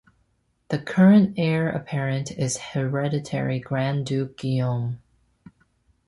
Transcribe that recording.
The current heir apparent is Hereditary Grand Duke Guillaume.